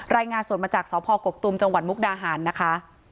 รายงานสดมาจากสพกกตุมจังหวัดมุกดาหารนะคะ